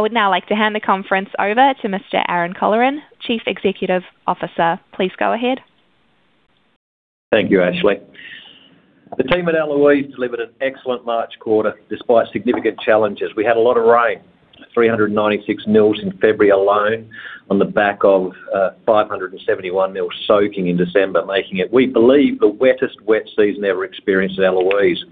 I would now like to hand the conference over to Mr. Aaron Colleran, Chief Executive Officer. Please go ahead. Thank you, Ashley. The team at Eloise delivered an excellent March quarter despite significant challenges. We had a lot of rain, 396 mm in February alone, on the back of 571 mm soaking in December, making it, we believe, the wettest wet season ever experienced at Eloise.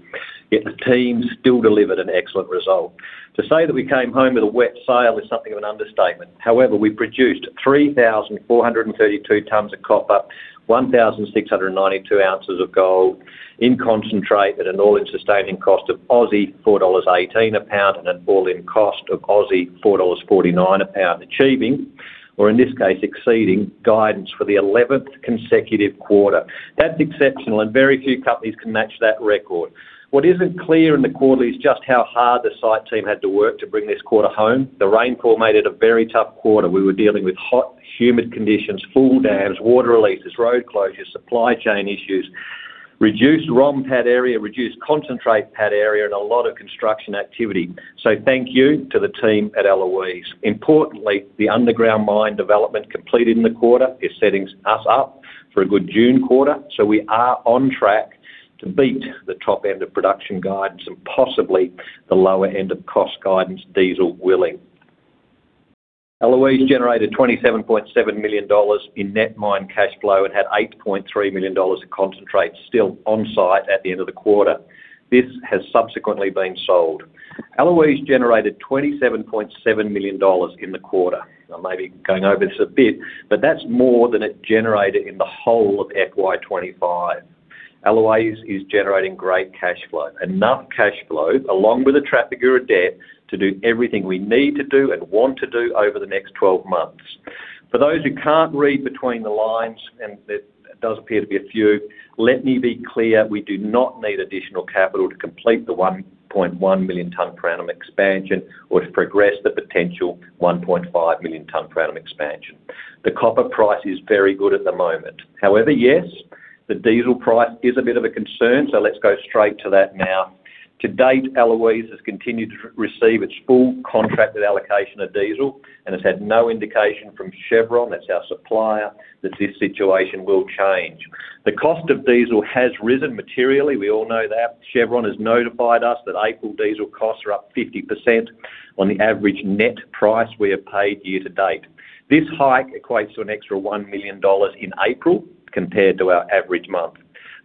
Yet the team still delivered an excellent result. To say that we came home with a wet sail is something of an understatement. However, we produced 3,432 tons of copper, 1,692 ounces of gold in concentrate at an all-in sustaining cost of 4.18 Aussie dollars a pound, and an all-in cost of 4.49 Aussie dollars a pound, achieving, or in this case, exceeding guidance for the 11th consecutive quarter. That's exceptional, and very few companies can match that record. What isn't clear in the quarterly is just how hard the site team had to work to bring this quarter home. The rainfall made it a very tough quarter. We were dealing with hot, humid conditions, full dams, water releases, road closures, supply chain issues, reduced ROM pad area, reduced concentrate pad area, and a lot of construction activity. Thank you to the team at Eloise. Importantly, the underground mine development completed in the quarter is setting us up for a good June quarter. We are on track to beat the top end of production guidance and possibly the lower end of cost guidance, diesel willing. Eloise generated 27.7 million dollars in net mine cash flow and had 8.3 million dollars of concentrate still on-site at the end of the quarter. This has subsequently been sold. Eloise generated 27.7 million dollars in the quarter. I may be going over this a bit, but that's more than it generated in the whole of FY 2025. Eloise is generating great cash flow, enough cash flow, along with the Trafigura debt, to do everything we need to do and want to do over the next 12 months. For those who can't read between the lines, and it does appear to be a few, let me be clear, we do not need additional capital to complete the 1.1 million tonne per annum expansion or to progress the potential 1.5 million tonne per annum expansion. The copper price is very good at the moment. However, yes, the diesel price is a bit of a concern, so let's go straight to that now. To date, Eloise has continued to receive its full contracted allocation of diesel and has had no indication from Chevron, that's our supplier, that this situation will change. The cost of diesel has risen materially. We all know that. Chevron has notified us that April diesel costs are up 50% on the average net price we have paid year to date. This hike equates to an extra 1 million dollars in April compared to our average month.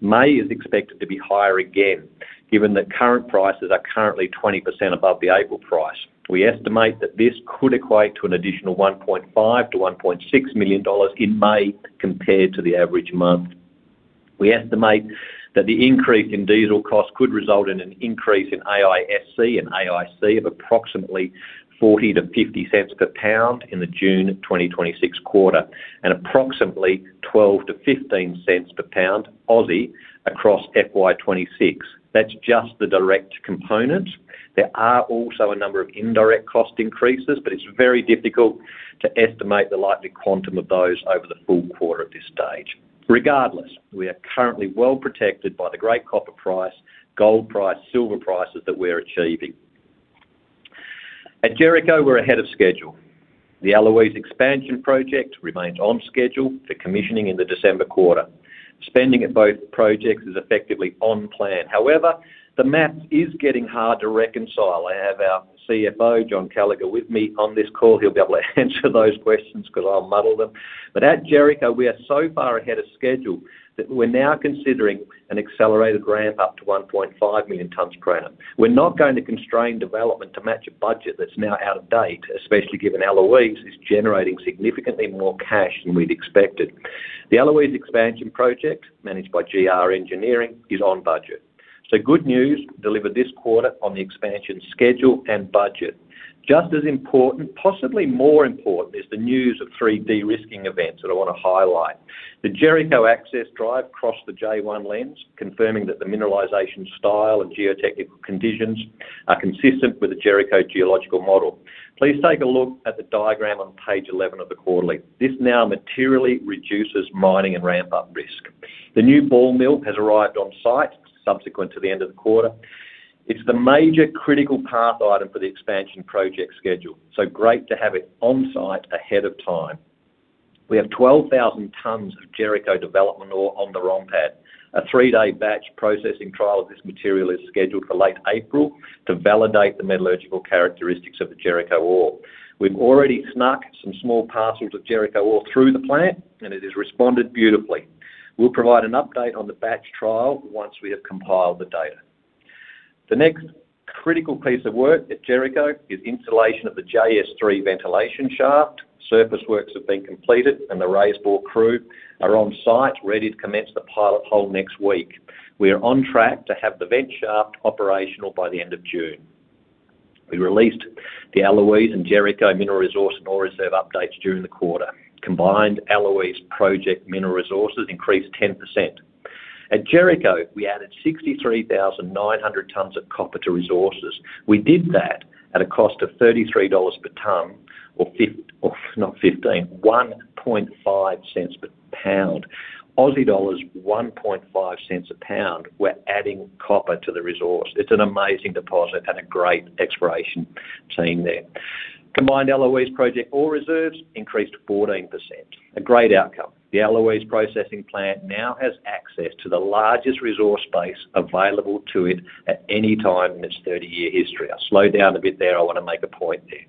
May is expected to be higher again, given that current prices are currently 20% above the April price. We estimate that this could equate to an additional 1.5-1.6 million dollars in May compared to the average month. We estimate that the increase in diesel costs could result in an increase in AISC and AIC of approximately 0.40-0.50 per pound in the June 2026 quarter, and approximately 0.12-0.15 per pound Aussie across FY 2026. That's just the direct component. There are also a number of indirect cost increases, but it's very difficult to estimate the likely quantum of those over the full quarter at this stage. Regardless, we are currently well protected by the great copper price, gold price, silver prices that we're achieving. At Jericho, we're ahead of schedule. The Eloise expansion project remains on schedule for commissioning in the December quarter. Spending at both projects is effectively on plan. However, the math is getting hard to reconcile. I have our CFO, John Callagher, with me on this call. He'll be able to answer those questions because I'll muddle them. At Jericho, we are so far ahead of schedule that we're now considering an accelerated ramp up to 1.5 million tons per annum. We're not going to constrain development to match a budget that's now out of date, especially given Eloise is generating significantly more cash than we'd expected. The Eloise expansion project, managed by GR Engineering, is on budget. Good news delivered this quarter on the expansion schedule and budget. Just as important, possibly more important, is the news of three de-risking events that I want to highlight. The Jericho access drive crossed the J1 lens, confirming that the mineralization style and geotechnical conditions are consistent with the Jericho geological model. Please take a look at the diagram on page 11 of the quarterly. This now materially reduces mining and ramp-up risk. The new ball mill has arrived on-site subsequent to the end of the quarter. It's the major critical path item for the expansion project schedule, so great to have it on-site ahead of time. We have 12,000 tons of Jericho development ore on the ROM pad. A three-day batch processing trial of this material is scheduled for late April to validate the metallurgical characteristics of the Jericho ore. We've already snuck some small parcels of Jericho ore through the plant, and it has responded beautifully. We'll provide an update on the batch trial once we have compiled the data. The next critical piece of work at Jericho is installation of the JS3 ventilation shaft. Surface works have been completed and the raise bore crew are on-site ready to commence the pilot hole next week. We are on track to have the vent shaft operational by the end of June. We released the Eloise and Jericho mineral resource and ore reserve updates during the quarter. Combined Eloise project mineral resources increased 10%. At Jericho, we added 63,900 tons of copper to resources. We did that at a cost of 33 dollars per ton or 0.015 per pound. Aussie dollars, 0.015 a pound, we're adding copper to the resource. It's an amazing deposit and a great exploration team there. Combined Eloise Project ore reserves increased 14%, a great outcome. The Eloise processing plant now has access to the largest resource base available to it at any time in its 30-year history. I'll slow down a bit there. I want to make a point there.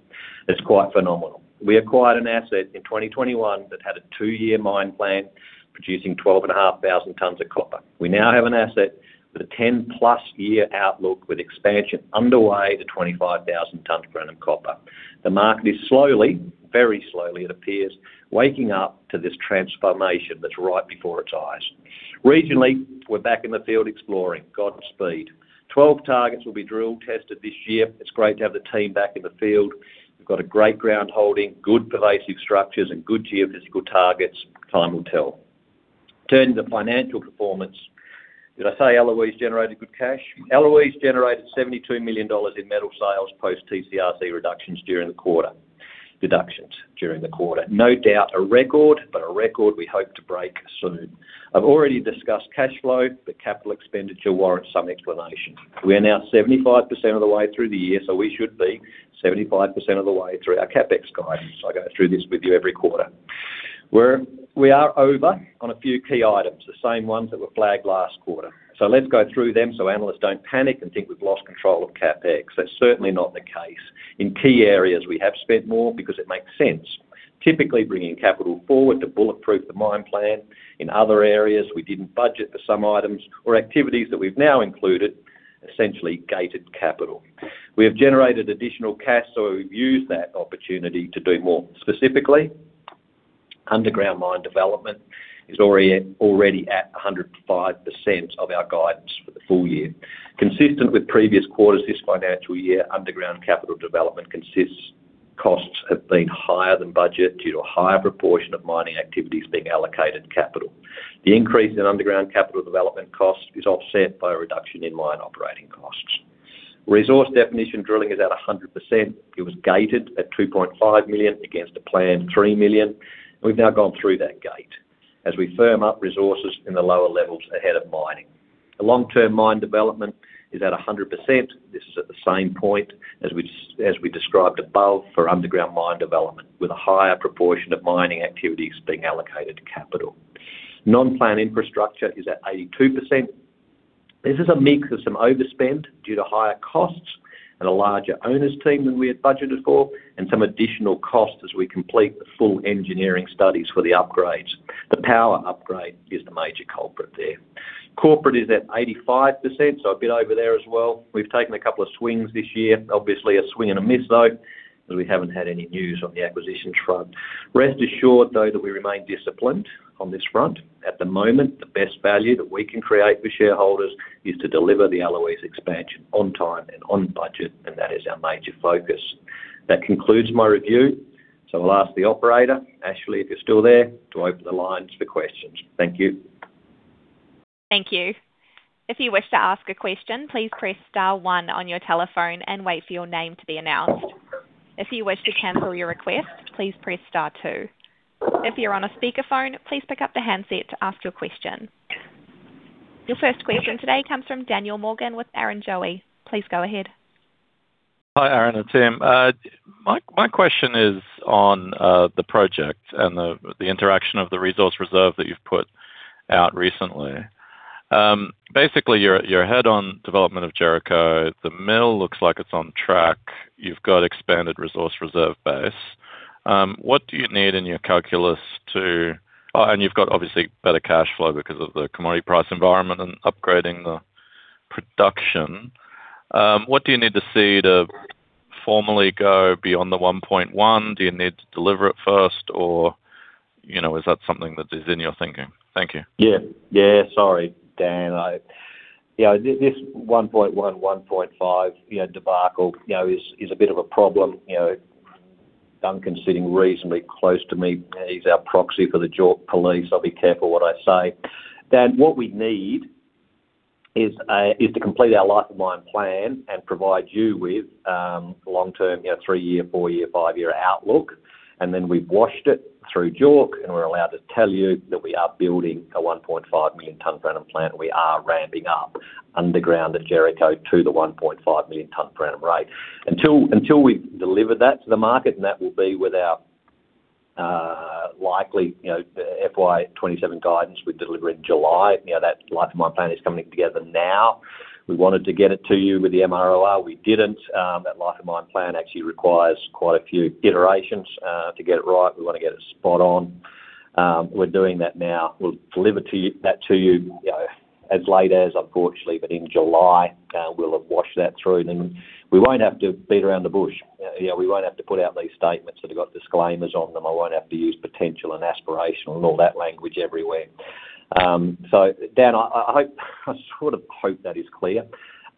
It's quite phenomenal. We acquired an asset in 2021 that had a two-year mine plan producing 12,500 tonnes of copper. We now have an asset with a 10+ year outlook with expansion underway to 25,000 tonnes per annum copper. The market is slowly, very slowly it appears, waking up to this transformation that's right before its eyes. Regionally, we're back in the field exploring. Godspeed. 12 targets will be drill tested this year. It's great to have the team back in the field. We've got a great ground holding, good pervasive structures, and good geophysical targets. Time will tell. Turning to financial performance. Did I say Eloise generated good cash? Eloise generated 72 million dollars in metal sales post TCRC deductions during the quarter. No doubt a record, but a record we hope to break soon. I've already discussed cash flow, but capital expenditure warrants some explanation. We are now 75% of the way through the year, so we should be 75% of the way through our CapEx guidance. I go through this with you every quarter. We are over on a few key items, the same ones that were flagged last quarter. Let's go through them so analysts don't panic and think we've lost control of CapEx. That's certainly not the case. In key areas, we have spent more because it makes sense. Typically bringing capital forward to bulletproof the mine plan. In other areas, we didn't budget for some items or activities that we've now included, essentially gated capital. We have generated additional cash, so we've used that opportunity to do more. Specifically, underground mine development is already at 105% of our guidance for the full year. Consistent with previous quarters this financial year, underground capital development costs have been higher than budget due to a higher proportion of mining activities being allocated capital. The increase in underground capital development costs is offset by a reduction in mine operating costs. Resource definition drilling is at 100%. It was gated at 2.5 million against a planned 3 million. We've now gone through that gate, as we firm up resources in the lower levels ahead of mining. The long-term mine development is at 100%. This is at the same point as we described above for underground mine development, with a higher proportion of mining activities being allocated to capital. Non-process infrastructure is at 82%. This is a mix of some overspend due to higher costs and a larger owner's team than we had budgeted for, and some additional costs as we complete the full engineering studies for the upgrades. The power upgrade is the major culprit there. Corporate is at 85%, so a bit over there as well. We've taken a couple of swings this year. Obviously, a swing and a miss though, because we haven't had any news on the acquisition front. Rest assured, though, that we remain disciplined on this front. At the moment, the best value that we can create for shareholders is to deliver the Eloise expansion on time and on budget, and that is our major focus. That concludes my review. I'll ask the operator, Ashley, if you're still there, to open the lines for questions. Thank you. Thank you. If you wish to ask a question, please press star one on your telephone and wait for your name to be announced. If you wish to cancel your request, please press star two. If you're on a speakerphone, please pick up the handset to ask your question. Your first question today comes from Daniel Morgan with Barrenjoey. Please go ahead. Hi, Aaron and team. My question is on the project and the interaction of the resource reserve that you've put out recently. Basically, you're ahead on development of Jericho. The mill looks like it's on track. You've got expanded resource reserve base. You've got obviously better cash flow because of the commodity price environment and upgrading the production. What do you need to see to formally go beyond the 1.1? Do you need to deliver it first or is that something that is in your thinking? Thank you. Yeah. Sorry, Dan. This 1.1.5 debacle is a bit of a problem. Duncan's sitting reasonably close to me. He's our proxy for the JORC police. I'll be careful what I say. Dan, what we need is to complete our life of mine plan and provide you with long-term, three-year, four-year, five-year outlook. Then we've washed it through JORC, and we're allowed to tell you that we are building a 1.5 million ton per annum plant. We are ramping up underground at Jericho to the 1.5 million ton per annum rate. Until we've delivered that to the market, and that will be with our likely FY 2027 guidance we deliver in July. That life of mine plan is coming together now. We wanted to get it to you with the MROR. We didn't. That life of mine plan actually requires quite a few iterations to get it right. We want to get it spot on. We're doing that now. We'll deliver that to you as late as, unfortunately, but in July. We'll have washed that through. Then we won't have to beat around the bush. We won't have to put out these statements that have got disclaimers on them. I won't have to use potential and aspirational and all that language everywhere. Dan, I sort of hope that is clear.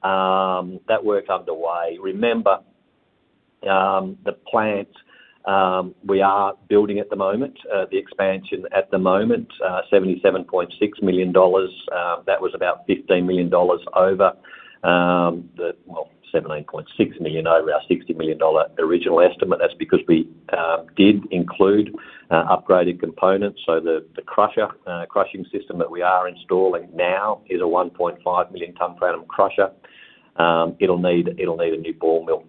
That work's underway. Remember, the plant we are building at the moment, the expansion at the moment, 77.6 million dollars. That was about 15 million dollars over. Well, 17.6 million over our 60 million dollar original estimate. That's because we did include upgraded components. The crushing system that we are installing now is a 1.5 million ton per annum crusher. It'll need a new ball mill,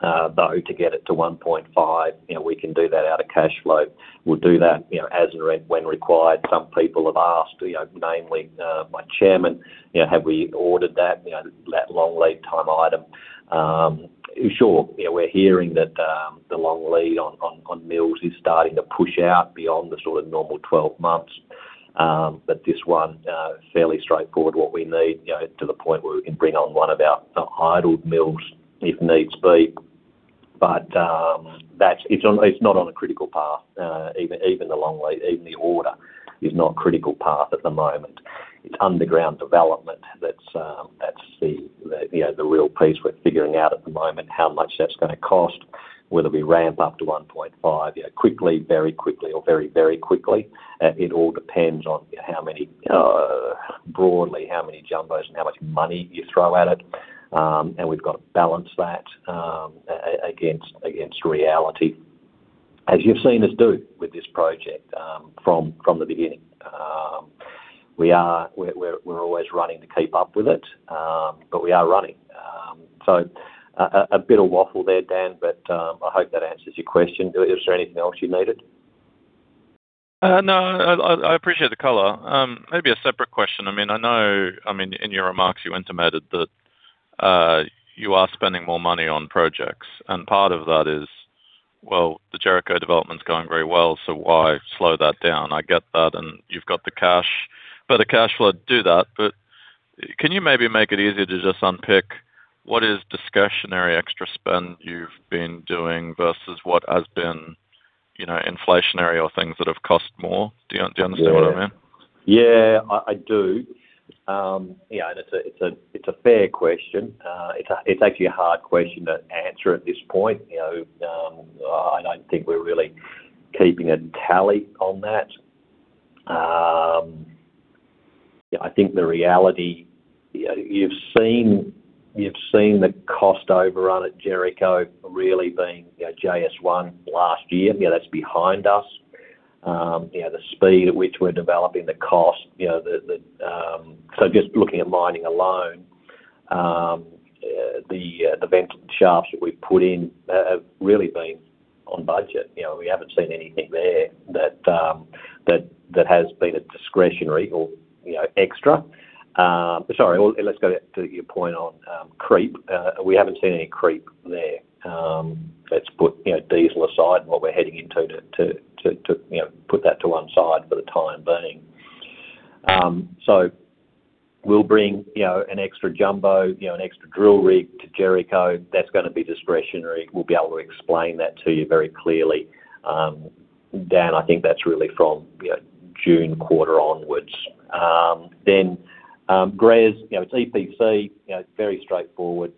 though, to get it to 1.5. We can do that out of cash flow. We'll do that as and when required. Some people have asked, namely my chairman, have we ordered that long lead time item? Sure. We're hearing that the long lead on mills is starting to push out beyond the sort of normal 12 months. This one, fairly straightforward what we need, to the point where we can bring on one of our idled mills if needs be. It's not on a critical path. Even the order is not critical path at the moment. It's underground development, that's the real piece we're figuring out at the moment, how much that's going to cost, whether we ramp up to 1.5 quickly, very quickly, or very, very quickly. It all depends on broadly how many jumbos and how much money you throw at it. We've got to balance that against reality, as you've seen us do with this project from the beginning. We're always running to keep up with it. We are running. A bit of waffle there, Dan, but I hope that answers your question. Is there anything else you needed? No, I appreciate the color. Maybe a separate question. I know, in your remarks, you intimated that you are spending more money on projects, and part of that is, well, the Jericho development's going very well, so why slow that down? I get that, and you've got the cash flow to do that. Can you maybe make it easier to just unpick what is discretionary extra spend you've been doing versus what has been inflationary or things that have cost more? Do you understand what I mean? Yeah, I do. It's a fair question. It's actually a hard question to answer at this point. I don't think we're really keeping a tally on that. I think the reality, you've seen the cost overrun at Jericho really being JS1 last year. That's behind us. The speed at which we're developing the cost. Just looking at mining alone, the vented shafts that we've put in have really been on budget. We haven't seen anything there that has been a discretionary or extra. Sorry, let's go to your point on creep. We haven't seen any creep there. Let's put diesel aside and what we're heading into to put that to one side for the time being. We'll bring an extra jumbo, an extra drill rig to Jericho. That's going to be discretionary. We'll be able to explain that to you very clearly. Dan, I think that's really from June quarter onwards. GR's, it's EPC, it's very straightforward.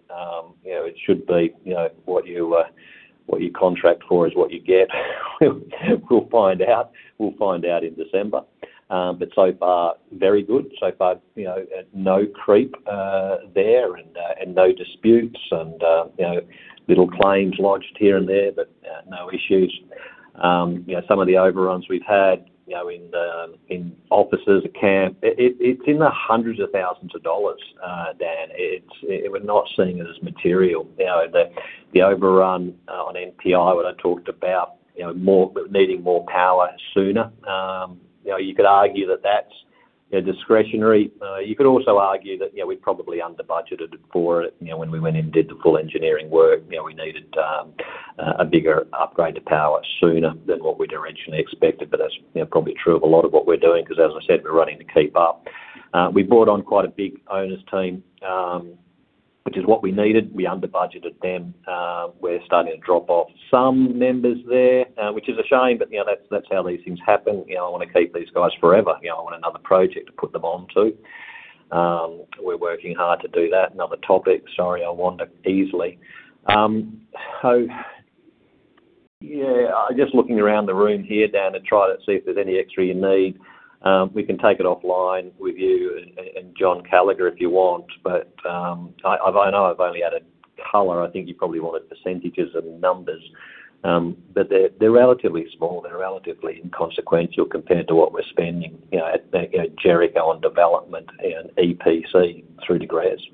It should be what you contract for is what you get. We'll find out in December. So far, very good. So far, no creep there and no disputes and little claims lodged here and there, but no issues. Some of the overruns we've had in offices, camp, it's in the hundreds of thousands of dollars, Dan. We're not seeing it as material. The overrun on NPI, what I talked about, needing more power sooner. You could argue that that's discretionary. You could also argue that we probably under-budgeted for it when we went in and did the full engineering work. We needed a bigger upgrade to power sooner than what we directionally expected. That's probably true of a lot of what we're doing, because as I said, we're running to keep up. We brought on quite a big owner's team, which is what we needed. We under-budgeted them. We're starting to drop off some members there, which is a shame, but that's how these things happen. I want to keep these guys forever. I want another project to put them onto. We're working hard to do that. Another topic. Sorry, I wander easily. Yeah, just looking around the room here, Dan, and trying to see if there's any extra you need. We can take it offline with you and John Callagher if you want. I know I've only added color. I think you probably wanted percentages and numbers. They're relatively small. They're relatively inconsequential compared to what we're spending at Jericho on development and EPC through to GR Engineering Services.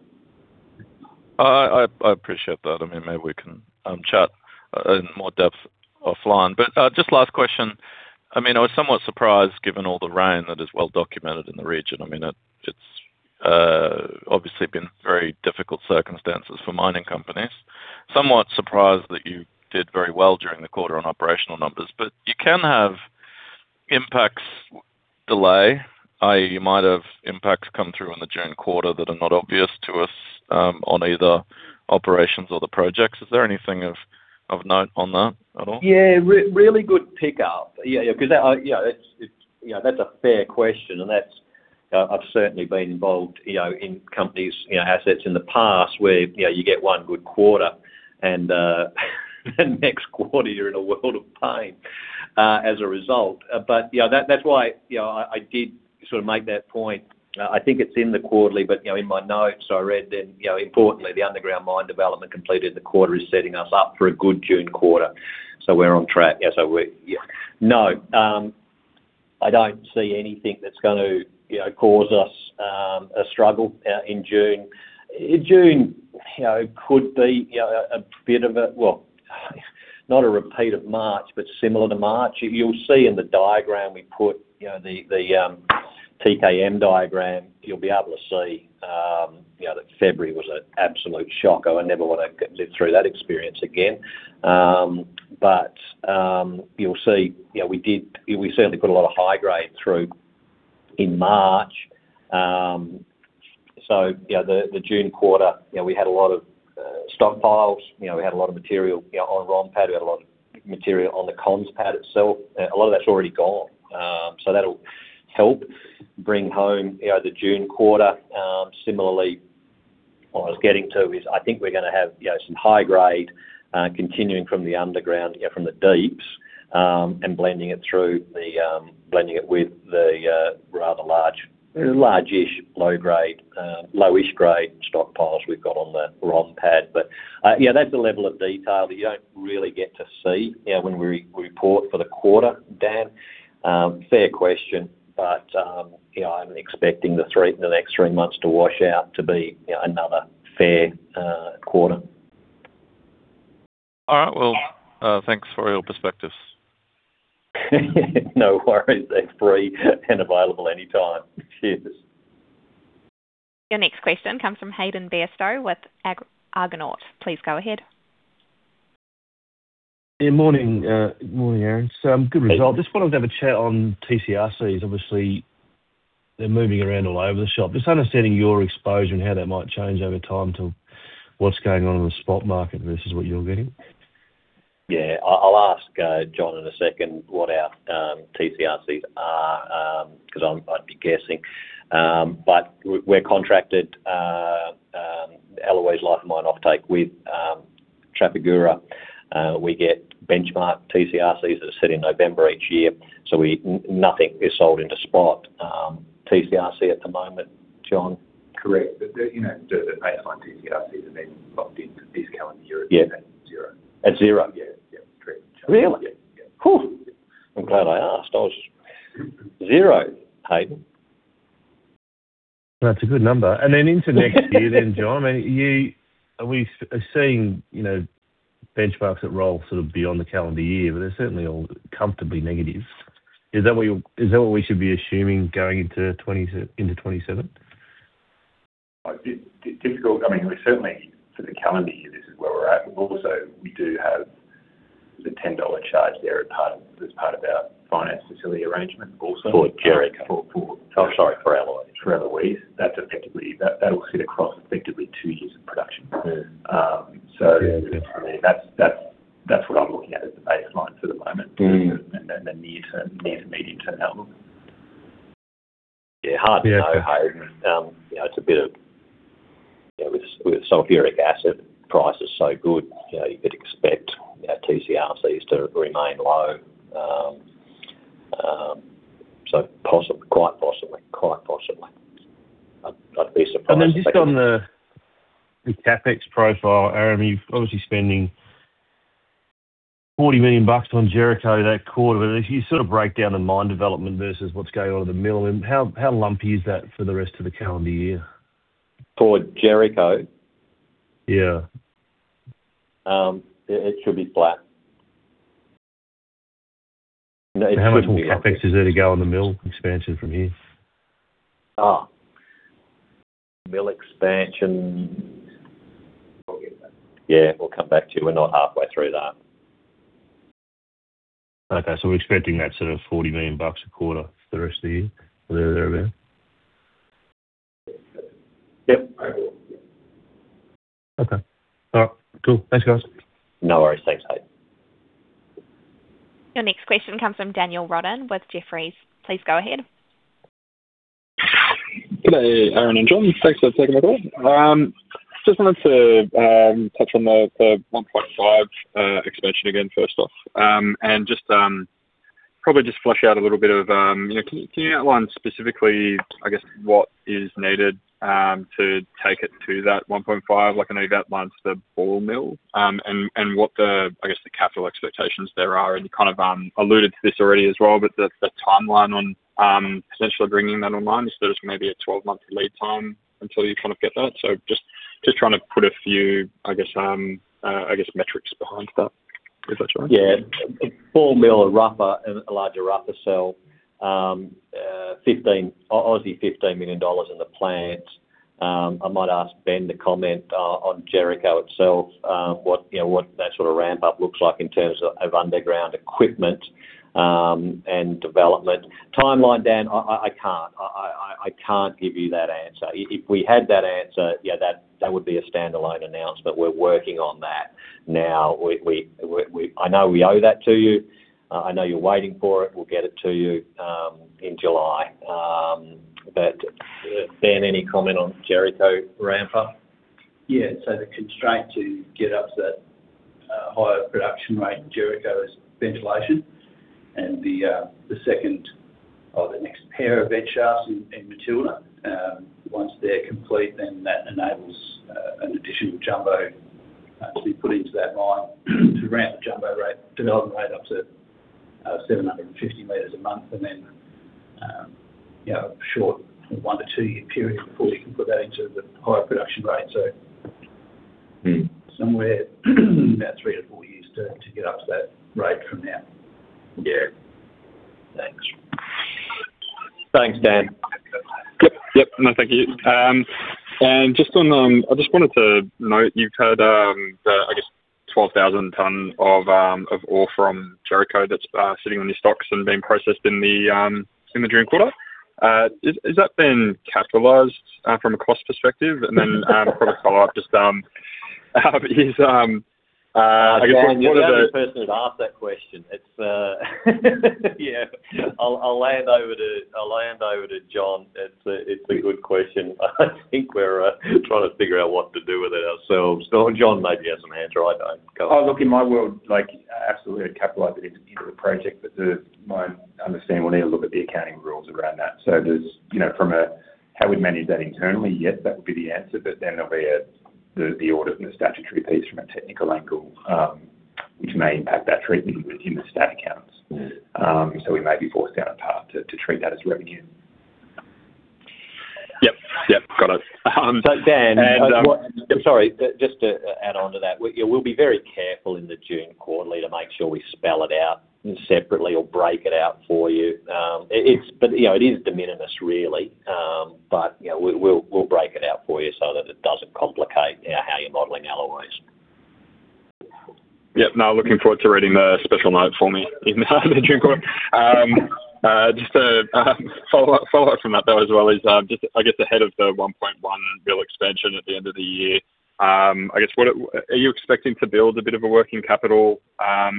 I appreciate that. Maybe we can chat in more depth offline. Just last question. I was somewhat surprised given all the rain that is well documented in the region. It's obviously been very difficult circumstances for mining companies. Somewhat surprised that you did very well during the quarter on operational numbers. You can have delayed impacts, i.e., you might have impacts come through in the June quarter that are not obvious to us on either operations or the projects. Is there anything of note on that at all? Yeah, really good pickup. That's a fair question, and I've certainly been involved in companies, assets in the past where you get one good quarter and the next quarter you're in a world of pain. As a result. That's why I did sort of make that point. I think it's in the quarterly, but in my notes I read then, importantly, the underground mine development completed in the quarter is setting us up for a good June quarter. We're on track. No, I don't see anything that's going to cause us a struggle in June. June could be a bit of a. Well, not a repeat of March, but similar to March. You'll see in the diagram we put, the TKM diagram, you'll be able to see that February was an absolute shocker. I never want to live through that experience again. You'll see, we certainly put a lot of high grade through in March. The June quarter, we had a lot of stockpiles, we had a lot of material on ROM pad, we had a lot of material on the Cons Pad itself, a lot of that's already gone. That'll help bring home the June quarter. Similarly, what I was getting to is, I think we're going to have some high grade continuing from the underground, from the Deeps, and blending it with the rather large-ish, lowish grade stockpiles we've got on the ROM pad. That's the level of detail that you don't really get to see when we report for the quarter, Dan. Fair question, but I'm expecting the next three months to wash out to be another fair quarter. All right. Well, thanks for all your perspectives. No worries. They're free and available anytime. Cheers. Your next question comes from Hayden Bairstow with Argonaut. Please go ahead. Yeah, morning, Aaron. Good result. Just wanted to have a chat on TCRCs. Obviously, they're moving around all over the shop. Just understanding your exposure and how that might change over time to what's going on in the spot market versus what you're getting. Yeah. I'll ask John in a second what our TCRCs are, because I'd be guessing. We're contracted Eloise life of mine offtake with Trafigura. We get benchmark TCRCs that are set in November each year. Nothing is sold into spot TCRC at the moment, John? Correct. The baseline TCRCs are then locked into this calendar year at zero. At zero? Yeah. Correct. Really? Yeah. Phew. I'm glad I asked. Zero, Hayden. That's a good number. Into next year then, John, are we seeing benchmarks that roll sort of beyond the calendar year, but they're certainly all comfortably negative? Is that what we should be assuming going into 2027? Difficult. We certainly, for the calendar year, this is where we're at. We do have the 10 dollar charge there as part of our finance facility arrangement also. For Jericho? Sorry, for Eloise. That'll sit across effectively two years of production. Yeah. Definitely that's what I'm looking at as the baseline for the moment— Mm-hmm —the near-term, near to medium-term outlook. Yeah, hard to know, Hayden. With sulfuric acid prices so good, you could expect our TCRCs to remain low. Quite possibly. I'd be surprised, but yeah. Just on the CapEx profile, Aaron, you're obviously spending 40 million bucks on Jericho that quarter. If you sort of break down the mine development versus what's going on in the mill, how lumpy is that for the rest of the calendar year? For Jericho? Yeah. It should be flat. How much more CapEx is there to go on the mill expansion from here? Mill expansion. I'll get back. Yeah, we'll come back to you. We're not halfway through that. Okay. We're expecting that sort of 40 million bucks a quarter for the rest of the year, or thereabouts? Yep. Okay. All right, cool. Thanks, guys. No worries. Thanks, Hayden. Your next question comes from Daniel Roden with Jefferies. Please go ahead. G'day Aaron and John. Thanks for taking the call. Just wanted to touch on the 1.5 expansion again, first off. Just probably just flesh out a little bit, can you outline specifically, I guess, what is needed to take it to that 1.5? I know you've outlined the ball mill, and what the, I guess, the capital expectations there are, and you kind of alluded to this already as well, but the timeline on potentially bringing that online, is there maybe a 12-month lead time until you get that? Just trying to put a few, I guess metrics behind that, if that's all right. Yeah. A ball mill, a rougher, a larger rougher cell. 15 million Aussie dollars in the plant. I might ask Ben to comment on Jericho itself, what that sort of ramp up looks like in terms of underground equipment and development. Timeline, Dan, I can't give you that answer. If we had that answer, that would be a standalone announcement. We're working on that now. I know we owe that to you. I know you're waiting for it. We'll get it to you in July. Dan, any comment on Jericho ramping? Yeah. The constraint to get up to that higher production rate in Jericho is ventilation and the next pair of head shafts in Matilda. Once they're complete, then that enables an additional jumbo to be put into that mine to ramp the jumbo development rate up to 750 m a month. A short one to two year period before we can put that into the higher production rate. Somewhere about three to four years to get up to that rate from now. Yeah. Thanks. Thanks, Dan. Yep. No, thank you. I just wanted to note, you've had the, I guess, 12,000 tons of ore from Jericho that's sitting on your stocks and being processed in the June quarter. Has that been capitalized from a cost perspective? A product follow-up, just how it is. Dan, you're the only person who'd asked that question. Yeah. I'll hand over to John. It's a good question. I think we're trying to figure out what to do with it ourselves. John maybe has some answer. I don't. Go. Oh, look, in my world, absolutely, I'd capitalize it into the project. My understanding, we'll need to look at the accounting rules around that. From how we manage that internally, yes, that would be the answer. There'll be the audit and the statutory piece from a technical angle, which may impact that treatment in the stat accounts. We may be forced down a path to treat that as revenue. Yep. Got it. Dan— And— Sorry. Just to add on to that, we'll be very careful in the June quarterly to make sure we spell it out separately or break it out for you. It is de minimis, really. We'll break it out for you so that it doesn't complicate how you're modeling Eloise. Yep. No, looking forward to reading the special note for me in the June quarter. Just a follow-up from that though, as well, I guess ahead of the 1.1 mill expansion at the end of the year, are you expecting to build a bit of a working capital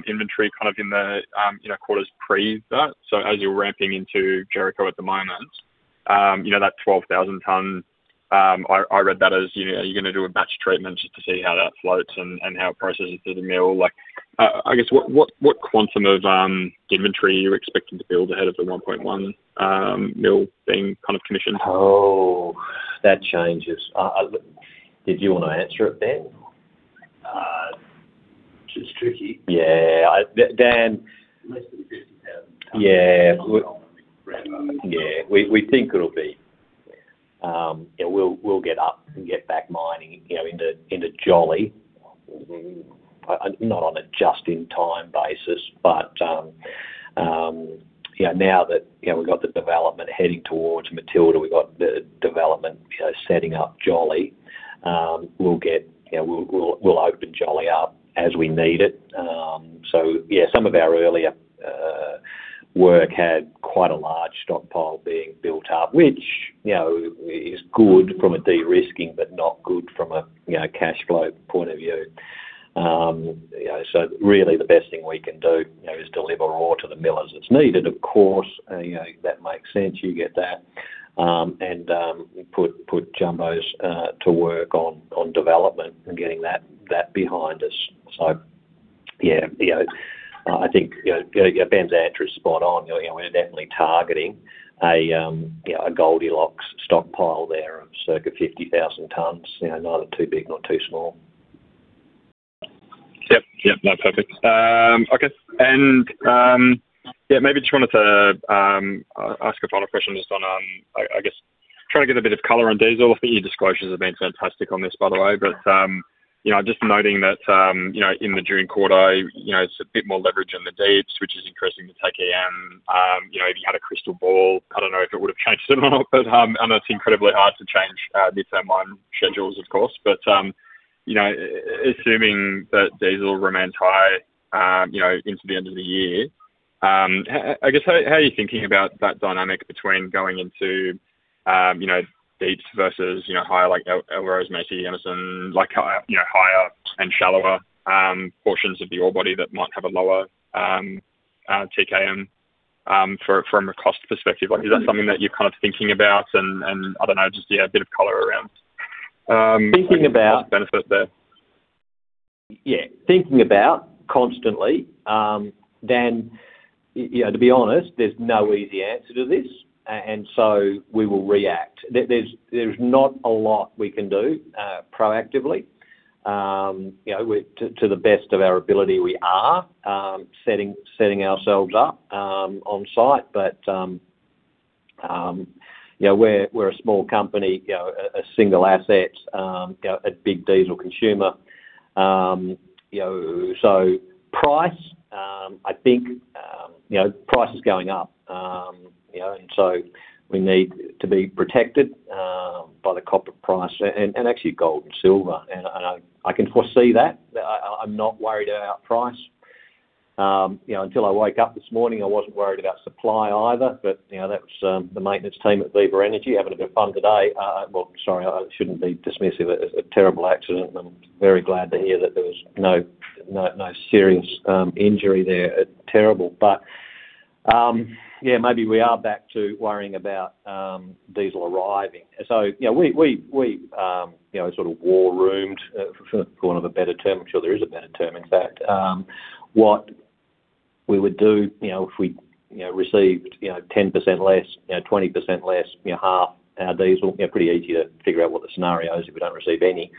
inventory in the quarters pre that? So as you're ramping into Jericho at the moment, that 12,000 tonne, I read that as, are you going to do a batch treatment just to see how that floats and how it processes through the mill? I guess, what quantum of inventory are you expecting to build ahead of the 1.1 mill being commissioned? Oh. That changes. Did you want to answer it, Dan? She's tricky. Yeah. Dan. Less than 50,000 tonnes. Yeah. Yeah. We think it'll be. We'll get up and get back mining into Jolly. Not on a just-in-time basis, but now that we've got the development heading towards Matilda, we've got the development setting up Jolly. We'll open Jolly up as we need it. Yeah, some of our earlier work had quite a large stockpile being built up, which is good from a de-risking but not good from a cash flow point of view. Really, the best thing we can do is deliver ore to the mill as it's needed, of course. That makes sense. You get that. Put jumbos to work on development and getting that behind us. Yeah. I think Ben's answer is spot on. We're definitely targeting a Goldilocks stockpile there of circa 50,000 tons, neither too big nor too small. Yep. No, perfect. Maybe just wanted to ask a final question just on, I guess, trying to get a bit of color on diesel. I think your disclosures have been fantastic on this, by the way. Just noting that in the June quarter, it's a bit more leverage in the Deeps, which is increasing the TKM. If you had a crystal ball, I don't know if it would've changed at all. I know it's incredibly hard to change midterm mine schedules, of course. Assuming that diesel remains high into the end of the year, how are you thinking about that dynamic between going into Deeps versus higher, like E Lens, M Lens, higher and shallower portions of the ore body that might have a lower TKM from a cost perspective? Is that something that you're thinking about and, I don't know, just a bit of color around— Thinking about— —benefit there? Yeah. Thinking about constantly. Dan, to be honest, there's no easy answer to this, we will react. There's not a lot we can do proactively. To the best of our ability, we are setting ourselves up on site. We're a small company, a single asset, a big diesel consumer. Price is going up. We need to be protected by the copper price and actually gold and silver. I can foresee that. I'm not worried about price. Until I woke up this morning, I wasn't worried about supply either. That was the maintenance team at Viva Energy having a bit of fun today. Well, sorry, I shouldn't be dismissive. It's a terrible accident and I'm very glad to hear that there was no serious injury there. Terrible. Yeah, maybe we are back to worrying about diesel arriving. We war roomed, for want of a better term, I'm sure there is a better term, in fact, what we would do if we received 10% less, 20% less, half our diesel. Pretty easy to figure out what the scenario is if we don't receive any.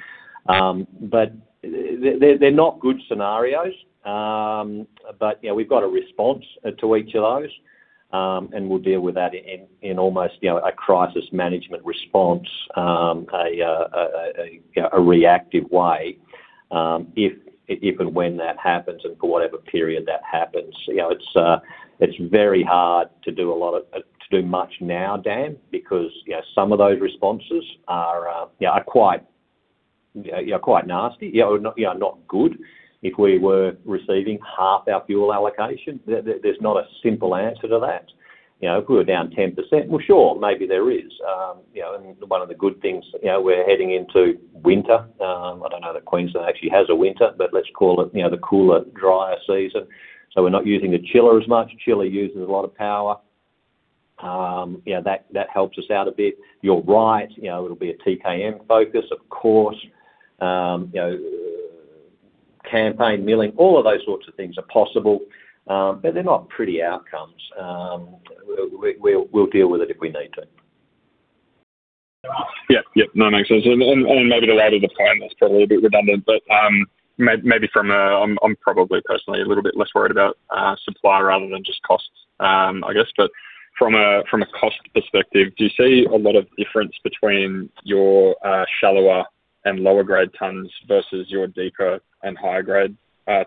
They're not good scenarios. We've got a response to each of those, and we'll deal with that in almost a crisis management response, a reactive way if and when that happens and for whatever period that happens. It's very hard to do much now, Dan, because some of those responses are quite nasty. Not good if we were receiving half our fuel allocation. There's not a simple answer to that. If we were down 10%, well, sure, maybe there is. One of the good things, we're heading into winter. I don't know that Queensland actually has a winter, but let's call it the cooler, drier season. We're not using the chiller as much. Chiller uses a lot of power. That helps us out a bit. You're right, it'll be a TKM focus, of course. Campaign milling, all of those sorts of things are possible. They're not pretty outcomes. We'll deal with it if we need to. Yeah. No, makes sense. Maybe to add to the point, that's probably a bit redundant, but I'm probably personally a little bit less worried about supply rather than just costs, I guess. From a cost perspective, do you see a lot of difference between your shallower and lower grade tons versus your deeper and higher grade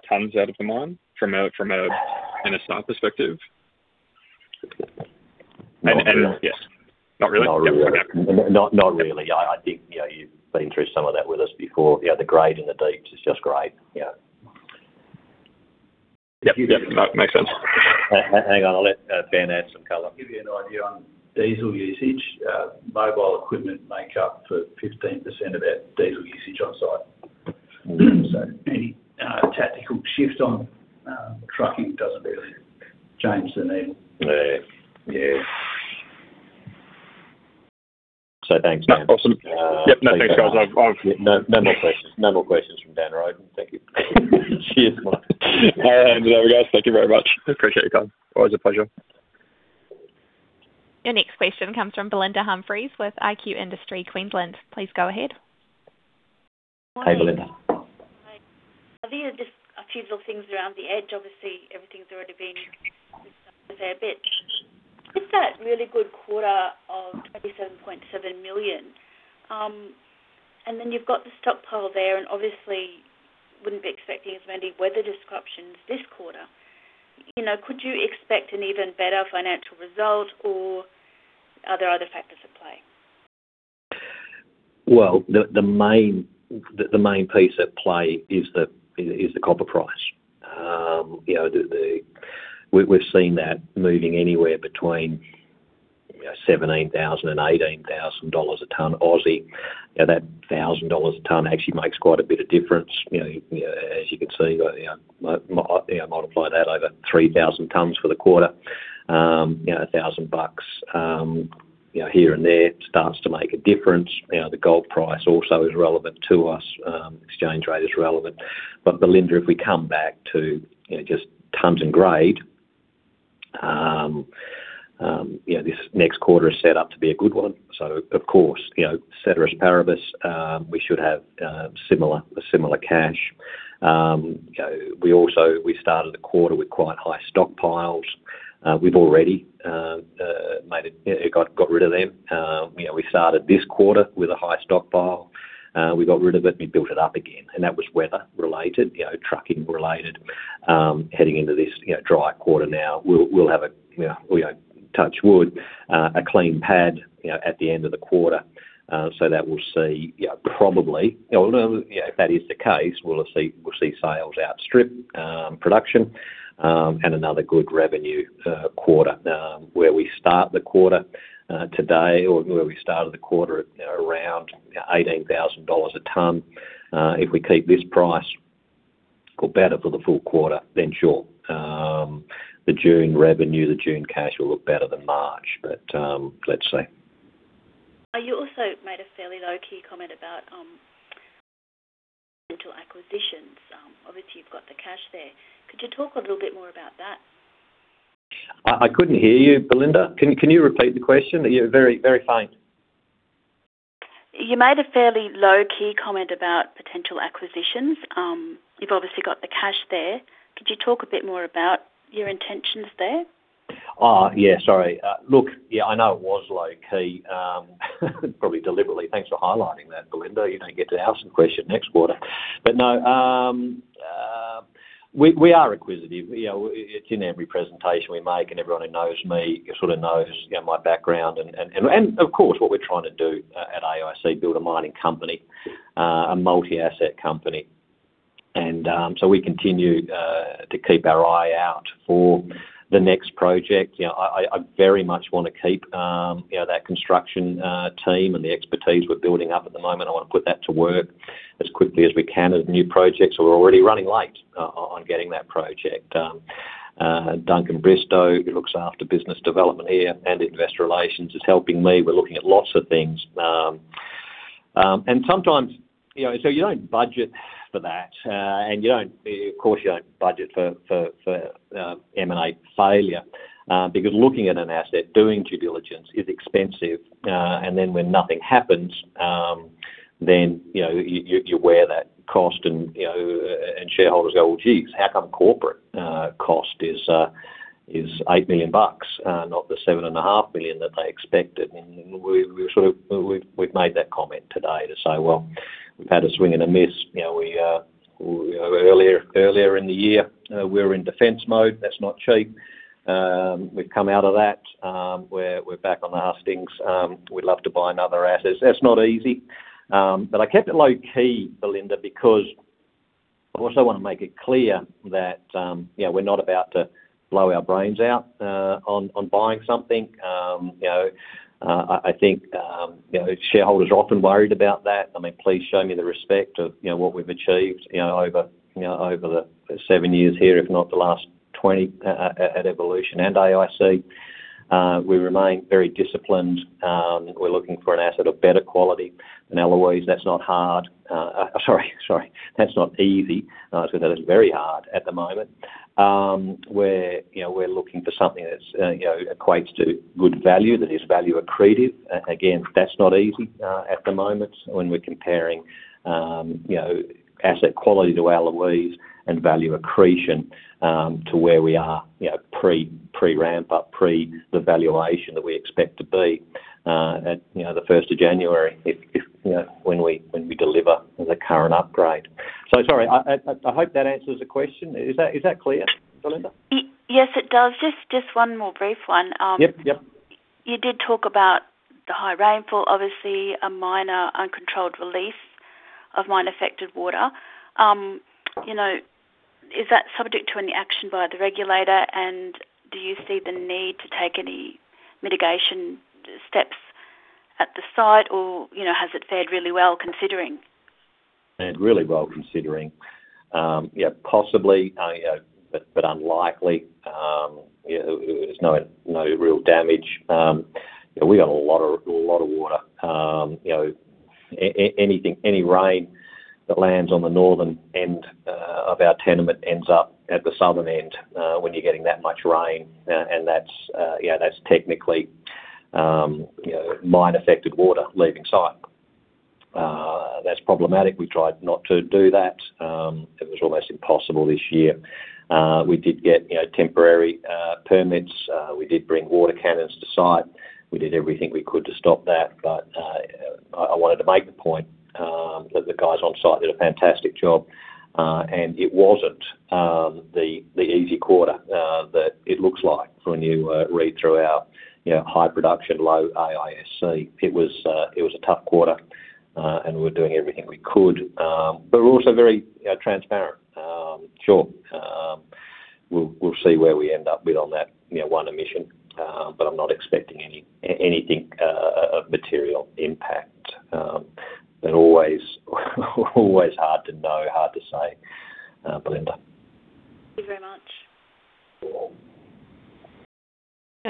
tons out of the mine from a NSR perspective? Not really. Not really? Okay. Not really. I think you've been through some of that with us before. The grade in the Deeps is just great. Yeah. Yep. No, makes sense. Hang on, I'll let Dan add some color. To give you an idea on diesel usage, mobile equipment make up for 15% of our diesel usage on site. Any tactical shift on trucking doesn't really change the needle. Yeah. Thanks, Dan. Awesome. Yep. No, thanks, guys. No more questions from Daniel Roden. Thank you. Cheers, mate. All right. There we go. Thank you very much. Appreciate your time. Always a pleasure. Your next question comes from Belinda Humphries with iQ Industry Queensland. Please go ahead. Hey, Belinda. Hi. These are just a few little things around the edge. Obviously, everything's already been there a bit. With that really good quarter of 27.7 million, and then you've got the stockpile there, and obviously wouldn't be expecting as many weather disruptions this quarter. Could you expect an even better financial result, or are there other factors at play? Well, the main piece at play is the copper price. We've seen that moving anywhere between $17,000-$18,000 a tonne Aussie. That $1,000 a tonne actually makes quite a bit of difference, as you can see. Multiply that over 3,000 tonnes for the quarter. A $1,000 bucks here and there starts to make a difference. The gold price also is relevant to us. Exchange rate is relevant. Belinda, if we come back to just tonnes and grade, this next quarter is set up to be a good one. Of course, ceteris paribus, we should have a similar cash. We started the quarter with quite high stockpiles. We've already got rid of them. We started this quarter with a high stockpile. We got rid of it, and we built it up again, and that was weather related, trucking related. Heading into this dry quarter now, we'll have a touch wood a clean pad at the end of the quarter. That we'll see probably. If that is the case, we'll see sales outstrip production and another good revenue quarter. We start the quarter today or we started the quarter at around $18,000 a tonne, if we keep this price or better for the full quarter, then sure, the June revenue, the June cash will look better than March, but let's see. You also made a fairly low-key comment about potential acquisitions. Obviously, you've got the cash there. Could you talk a little bit more about that? I couldn't hear you, Belinda. Can you repeat the question? You're very faint. You made a fairly low-key comment about potential acquisitions. You've obviously got the cash there. Could you talk a bit more about your intentions there? Oh, yeah. Sorry. Look, yeah, I know it was low-key. Probably deliberately. Thanks for highlighting that, Belinda. You don't get to ask the question next quarter. No, we are inquisitive. It's in every presentation we make, and everyone who knows me sort of knows my background. Of course, what we're trying to do at AIC, build a mining company, a multi-asset company. We continue to keep our eye out for the next project. I very much want to keep that construction team and the expertise we're building up at the moment. I want to put that to work as quickly as we can as new projects. We're already running late on getting that project. Duncan Bristow, who looks after business development here and investor relations, is helping me. We're looking at lots of things. You don't budget for that. Of course you don't budget for M&A failure. Because looking at an asset, doing due diligence is expensive. Then when nothing happens, then you wear that cost and shareholders go, "Well, geez, how come corporate cost is 8 million bucks, not the 7.5 million that they expected?" We've made that comment today to say, well, we've had a swing and a miss. Earlier in the year, we were in defense mode. That's not cheap. We've come out of that. We're back on the hustings. We'd love to buy another asset. That's not easy. I kept it low key, Belinda, because I also want to make it clear that we're not about to blow our brains out on buying something. I think shareholders are often worried about that. I mean, please show me the respect of what we've achieved over the seven years here, if not the last 20, at Evolution and AIC. We remain very disciplined. We're looking for an asset of better quality than Eloise. That's not hard. Sorry, that's not easy. I was going to say that it's very hard at the moment. We're looking for something that equates to good value, that is value accretive. Again, that's not easy at the moment when we're comparing asset quality to Eloise and value accretion to where we are, pre-ramp up, pre the valuation that we expect to be at 1st of January when we deliver the current upgrade. Sorry, I hope that answers the question. Is that clear, Belinda? Yes, it does. Just one more brief one. Yep. Yep. You did talk about the high rainfall, obviously a minor uncontrolled release of mine-affected water. Is that subject to any action by the regulator? Do you see the need to take any mitigation steps at the site? Has it fared really well considering? Fared really well considering. Possibly, but unlikely. There's no real damage. We got a lot of water. Any rain that lands on the northern end of our tenement ends up at the southern end when you're getting that much rain. That's technically mine-affected water leaving site. That's problematic. We tried not to do that. It was almost impossible this year. We did get temporary permits. We did bring water cannons to site. We did everything we could to stop that. I wanted to make the point that the guys on site did a fantastic job. It wasn't the easy quarter that it looks like when you read through our high production, low AISC. It was a tough quarter and we're doing everything we could. We're also very transparent. Sure. We'll see where we end up with on that one emission. I'm not expecting anything of material impact. Always hard to know, hard to say, Belinda.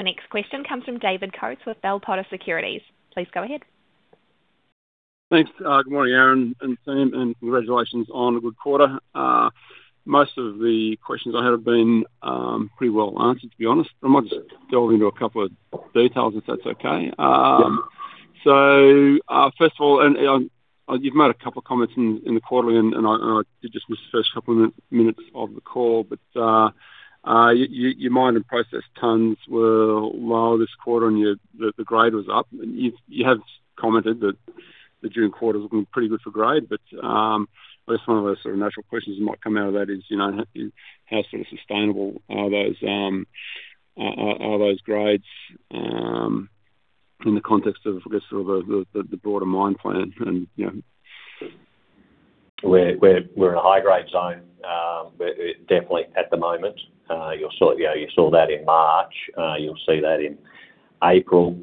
Thank you very much. You're welcome. Your next question comes from David Coates with Bell Potter Securities. Please go ahead. Thanks. Good morning, Aaron and team, and congratulations on a good quarter. Most of the questions I had have been pretty well answered, to be honest. I might just delve into a couple of details, if that's okay. Yeah. First of all, and you've made a couple of comments in the quarterly, and I did just miss the first couple of minutes of the call, but your mined and processed tonnes were lower this quarter, and the grade was up. You have commented that the June quarter is looking pretty good for grade, but I guess one of the sort of natural questions that might come out of that is, how sort of sustainable are those grades in the context of, I guess, the broader mine plan? We're in a high-grade zone, definitely at the moment. You saw that in March. You'll see that in April.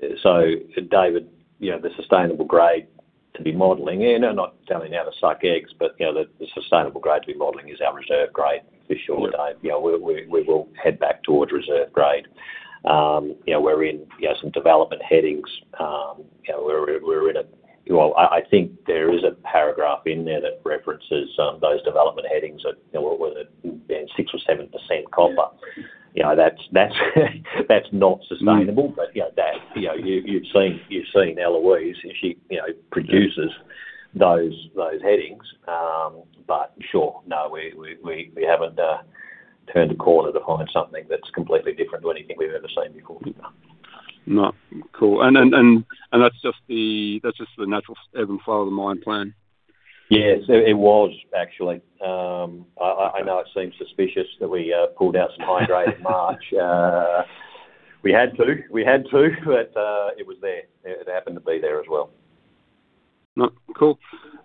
David, the sustainable grade to be modeling in, not doubting any other projects, but the sustainable grade to be modeling is our reserve grade for sure, Dave. We will head back towards reserve grade. We're in some development headings. I think there is a paragraph in there that references some of those development headings at, what was it? 6% or 7% copper. Yeah. That's not sustainable. You've seen Eloise, and she produces those headings. Sure, no, we haven't turned a corner to find something that's completely different to anything we've ever seen before. No. Cool. That's just the natural ebb and flow of the mine plan. Yes. It was actually. I know it seems suspicious that we pulled out some high grade in March. We had to, but it was there. It happened to be there as well. No. Cool.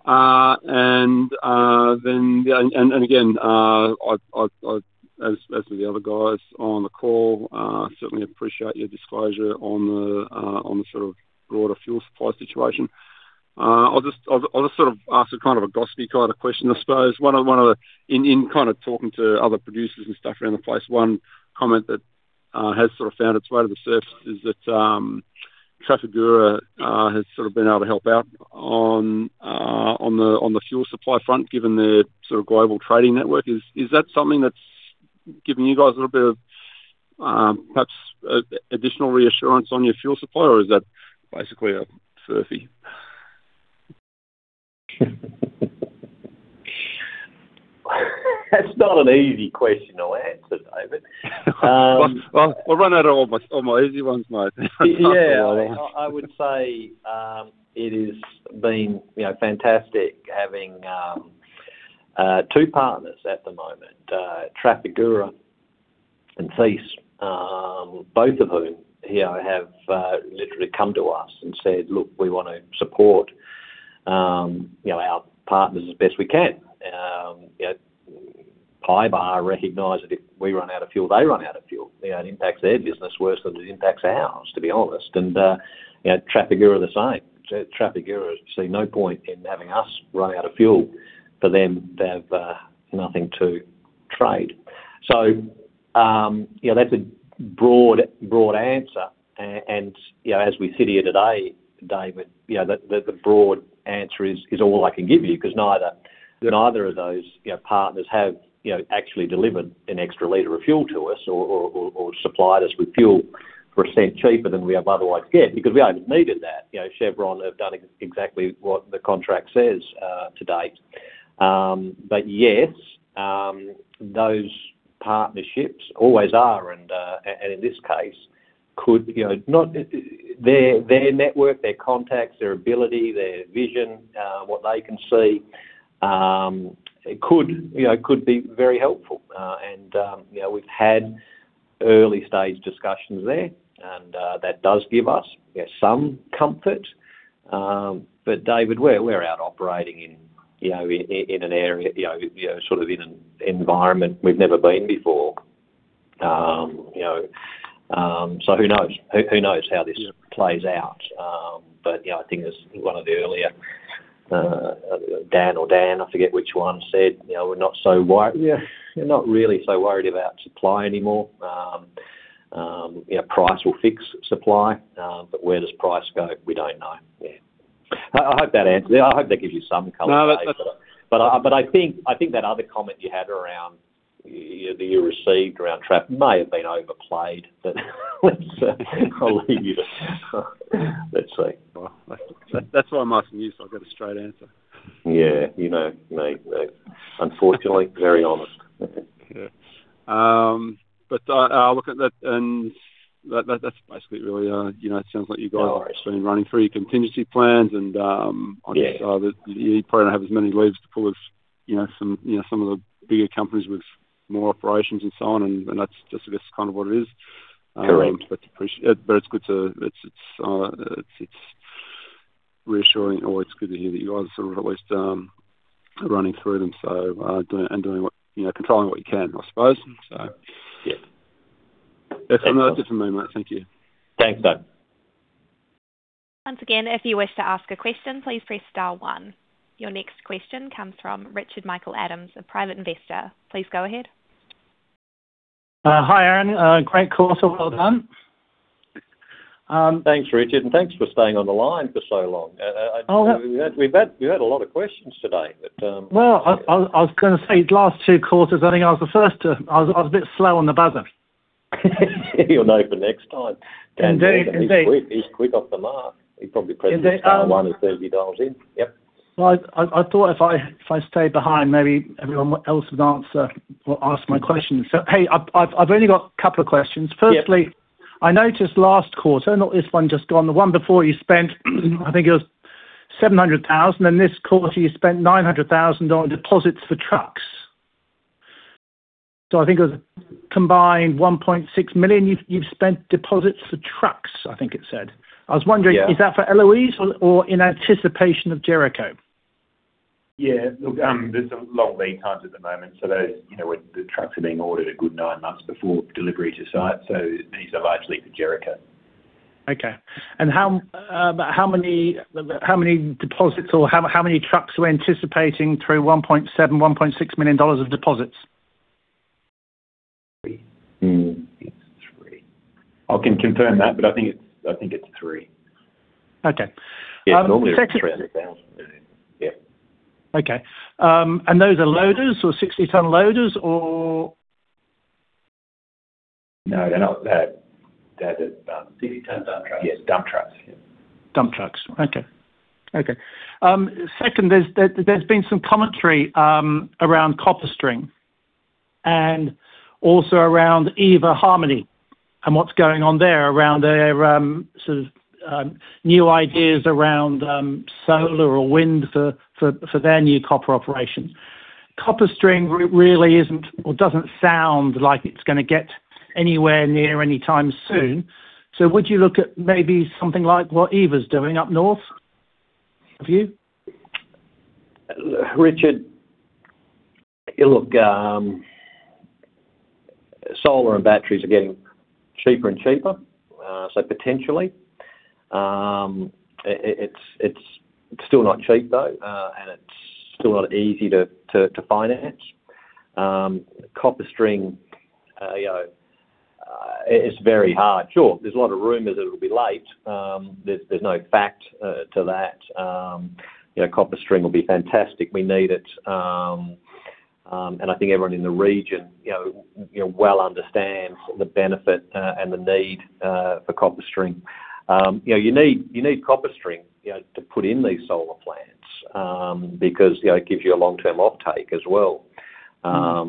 Again, as with the other guys on the call, certainly appreciate your disclosure on the sort of broader fuel supply situation. I'll just ask a kind of a gossipy question, I suppose. In talking to other producers and stuff around the place, one comment that has sort of found its way to the surface is that Trafigura has sort of been able to help out on the fuel supply front, given their sort of global trading network. Is that something that's giving you guys a little bit of perhaps additional reassurance on your fuel supply, or is that basically a furphy? That's not an easy question to answer, David. Well, we've run out of all my easy ones, mate. Yeah. I would say it's been fantastic having two partners at the moment, Trafigura and Thiess, both of whom have literally come to us and said, "Look, we want to support our partners as best we can." Puma Energy recognizes that if we run out of fuel, they run out of fuel. It impacts their business worse than it impacts ours, to be honest. Trafigura, the same. Trafigura sees no point in having us run out of fuel, for then they have nothing to trade. That's a broad answer. As we sit here today, David, the broad answer is all I can give you because neither of those partners have actually delivered an extra liter of fuel to us or supplied us with fuel for a cent cheaper than we have otherwise got because we haven't needed that. Chevron have done exactly what the contract says to date. Yes, those partnerships always are and in this case could be very helpful. Their network, their contacts, their ability, their vision, what they can see, could be very helpful. We've had early-stage discussions there, and that does give us some comfort. David, we're out operating in an area, in an environment we've never been before. Who knows how this plays out? I think as one of the earlier, Dan or Dan, I forget which one said, we're not really so worried about supply anymore. Price will fix supply. Where does price go? We don't know. Yeah. I hope that gives you some color. No, that's. I think that other comment you had that you received around Trafigura may have been overplayed, but I'll leave you to. Let's see. Well, that's why I'm asking you, so I get a straight answer. Yeah. You know me. Unfortunately, very honest. Yeah. I'll look at that, and that's basically it, really. It sounds like you guys— No worries. I have been running through your contingency plans and— Yeah —you probably don't have as many leads to pull as some of the bigger companies with more operations and so on, and that's just I guess kind of what it is. Correct. It's good to hear that you guys are at least running through them and doing what, controlling what you can, I suppose, so. Yeah. That's it from me, mate. Thank you. Thanks, David. Once again if you wish to ask a question, please press star one. Your next question comes from Richard Michael Adams, a private investor. Please go ahead. Hi, Aaron. Great quarter. Well done. Thanks, Richard, and thanks for staying on the line for so long. Oh, yeah. We've had a lot of questions today, but. Well, I was gonna say these last two quarters, I think I was the first. I was a bit slow on the buzzer. You'll know for next time. Indeed. Dan's quick. He's quick off the mark. He probably presses— Is it— —star one as soon as he dials in. Yep. Well, I thought if I stayed behind, maybe everyone else would answer or ask my question. Hey, I've only got a couple of questions. Yeah. First, I noticed last quarter, not this one just gone, the one before, you spent, I think it was 700,000, and this quarter you spent 900,000 dollar deposits for trucks. I think it was a combined 1.6 million you've spent deposits for trucks, I think it said. I was wondering— Yeah. —is that for Eloise or in anticipation of Jericho? Yeah. Look, there's some long lead times at the moment, so those, the trucks are being ordered a good nine months before delivery to site. These are largely for Jericho. Okay. How many deposits or how many trucks are we anticipating through 1.7 million dollars, 1.6 million dollars of deposits? Three. I think it's three. I can confirm that, but I think it's three. Okay. Yeah, it's normally 3,000. Yeah. Okay. Those are loaders or 60-ton loaders or? No, they're not. 60-ton dump trucks. Yeah, dump trucks. Yeah. Dump trucks. Okay. Second is there's been some commentary around CopperString and also around Eva Harmony and what's going on there around their sort of new ideas around solar or wind for their new copper operation. CopperString really isn't or doesn't sound like it's gonna get anywhere near anytime soon. Would you look at maybe something like what Eva's doing up north? Have you? Richard, look, solar and batteries are getting cheaper and cheaper, so potentially. It's still not cheap though, and it's still not easy to finance. CopperString, it's very hard. Sure, there's a lot of rumors it'll be late. There's no fact to that. CopperString will be fantastic. We need it. I think everyone in the region well understands the benefit and the need for CopperString. You need CopperString to put in these solar plants, because it gives you a long-term offtake as well. Solar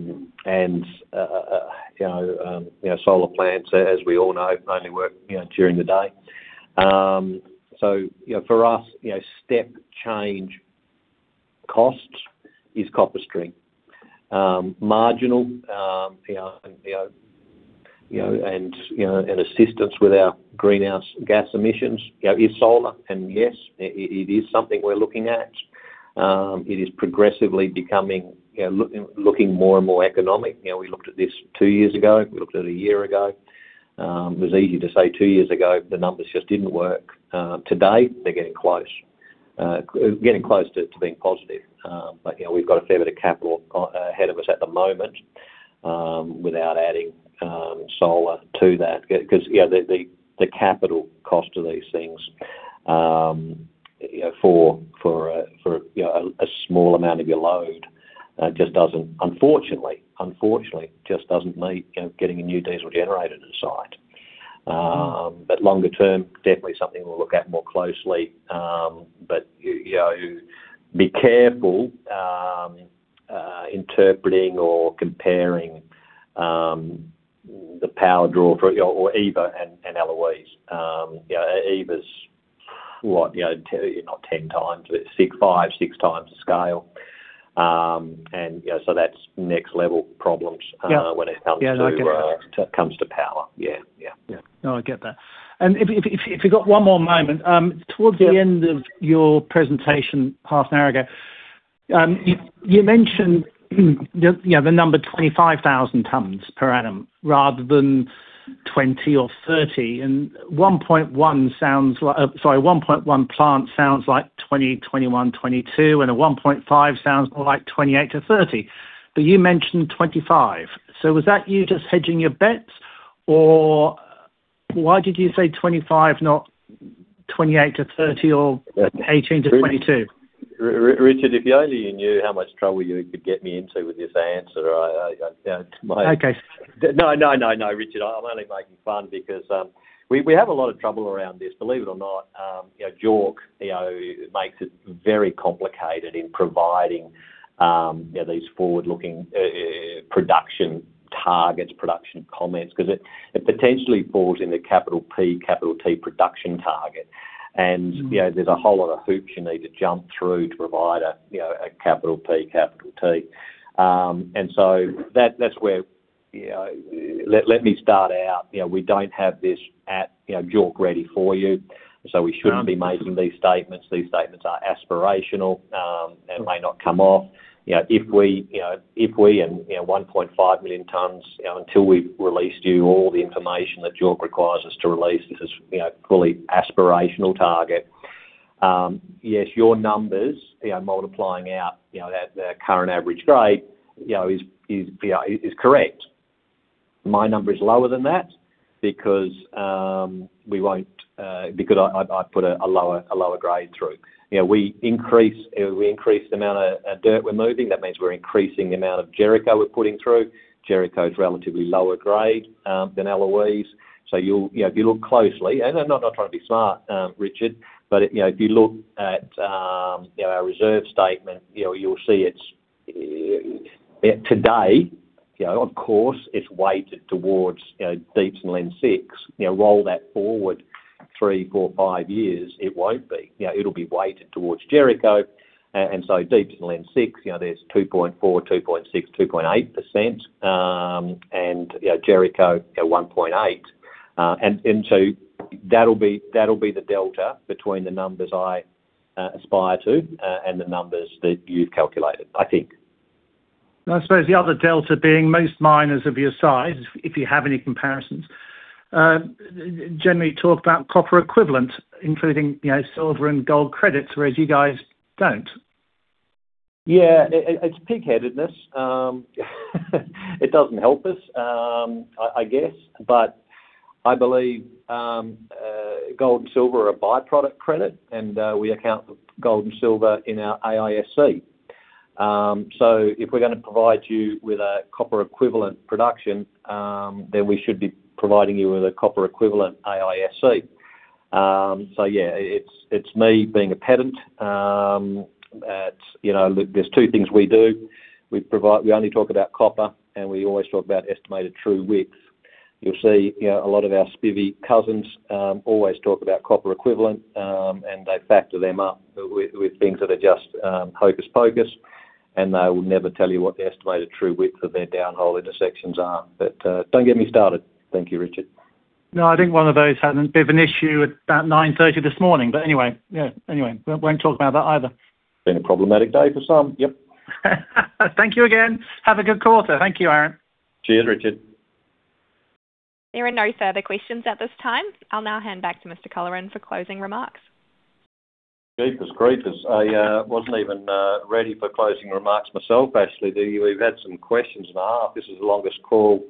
plants, as we all know, only work during the day. For us, step change costs is CopperString. Marginal and an assistance with our greenhouse gas emissions is solar and yes, it is something we're looking at. It is progressively becoming, looking more and more economic. We looked at this two years ago, we looked at it a year ago. It was easy to say two years ago, the numbers just didn't work. Today, they're getting close. Getting close to being positive. We've got a fair bit of capital ahead of us at the moment, without adding solar to that. Because the capital cost of these things for a small amount of your load, just doesn't, unfortunately, meet getting a new diesel generator to site. Longer term, definitely something we'll look at more closely. Be careful interpreting or comparing the power draw for Eva and Eloise. Eva's what? Not 10 times, but 6, 5, 6 times the scale. That's next level problems— Yeah —when it comes to— Yeah, I get that. —omes to power. Yeah. No, I get that. If you've got one more moment, towards the end of your presentation half an hour ago, you mentioned the number 25,000 tonnes per annum rather than 20 or 30 and 1.1 sounds like. Sorry, 1.1 plant sounds like 20, 21, 22, and a 1.5 sounds more like 28-30. You mentioned 25. Was that you just hedging your bets or why did you say 25, not 28-30 or 18-22? Richard, if only you knew how much trouble you could get me into with this answer. Okay. No, Richard, I'm only making fun because we have a lot of trouble around this, believe it or not. JORC makes it very complicated in providing these forward-looking production targets, production comments, because it potentially falls into capital P, capital T production target. There's a whole lot of hoops you need to jump through to provide a capital P capital T. That's where. Let me start out, we don't have this at JORC ready for you, so we shouldn't be making these statements. These statements are aspirational, and may not come off. If we, and 1.5 million tonnes, until we've released you all the information that JORC requires us to release, this is fully aspirational target. Yes, your numbers, multiplying out, the current average grade is correct. My number is lower than that because I put a lower grade through. We increased the amount of dirt we're moving. That means we're increasing the amount of Jericho we're putting through. Jericho's relatively lower grade than Eloise. If you look closely, and I'm not trying to be smart, Richard, but if you look at our reserve statement, you'll see it's, today, of course, it's weighted towards Deeps Lens 6. Roll that forward three, four, five years, it won't be. It'll be weighted towards Jericho. Deeps Lens 6, there's 2.4%, 2.6%, 2.8%, and Jericho at 1.8%. That'll be the delta between the numbers I aspire to and the numbers that you've calculated, I think. I suppose the other delta being most miners of your size, if you have any comparisons, generally talk about copper equivalent including silver and gold credits, whereas you guys don't. Yeah. It's pig-headedness. It doesn't help us, I guess. I believe gold and silver are a by-product credit, and we account for gold and silver in our AISC. If we're gonna provide you with a copper equivalent production, then we should be providing you with a copper equivalent AISC. Yeah, it's me being a pedant. There's two things we do. We only talk about copper, and we always talk about estimated true width. You'll see a lot of our spivvy cousins always talk about copper equivalent, and they factor them up with things that are just hocus pocus, and they will never tell you what the estimated true width of their down-hole intersections are. Don't get me started. Thank you, Richard. No, I think one of those had a bit of an issue at about 9:30 A.M. this morning. Anyway, yeah. Anyway, we won't talk about that either. It's been a problematic day for some. Yep. Thank you again. Have a good quarter. Thank you, Aaron. Cheers, Richard. There are no further questions at this time. I'll now hand back to Mr. Colleran for closing remarks. Jeepers creepers. I wasn't even ready for closing remarks myself, Ashley. We've had some questions and a half. This is the longest call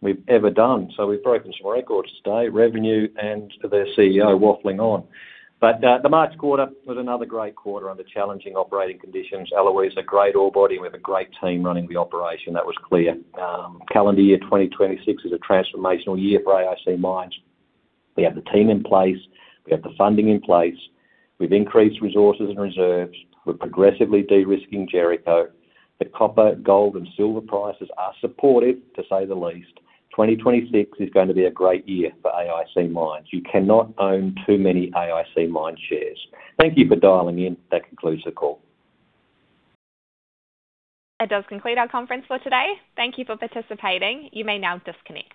we've ever done. We've broken some records today, revenue and the CEO waffling on. The March quarter was another great quarter under challenging operating conditions. Eloise, a great ore body with a great team running the operation, that was clear. Calendar year 2026 is a transformational year for AIC Mines. We have the team in place, we have the funding in place, we've increased resources and reserves, we're progressively de-risking Jericho. The copper, gold, and silver prices are supportive, to say the least. 2026 is going to be a great year for AIC Mines. You cannot own too many AIC Mines shares. Thank you for dialing in. That concludes the call. That does conclude our conference for today. Thank you for participating. You may now disconnect.